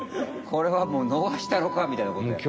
これはもうのがしたろかみたいなことや。